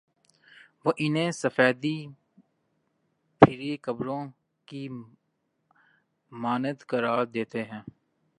وہ انہیں سفیدی پھری قبروں کی مانند قرار دیتے ہیں۔